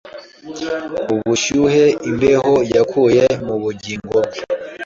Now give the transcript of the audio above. ubushyuhe imbehoYakuye mubugingo bwe